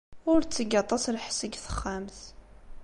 Ur tteg aṭas n lḥess deg texxamt.